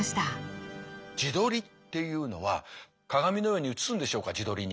自撮りっていうのは鏡のように映すんでしょうか自撮りに。